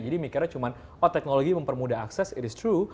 jadi mikirnya cuma oh teknologi mempermudah akses it is true